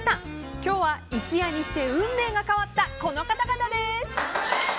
今日は一夜にして運命が変わったこの方々です！